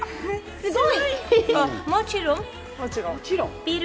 すごい！